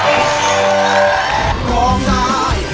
โอ๊ยโอ้โอ๊ยโอ๊ย